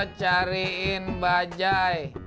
tolong lu cariin bajai